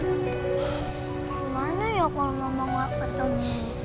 gimana ya kalau mama gak ketemu